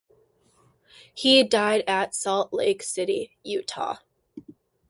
He died at Salt Lake City, Utah.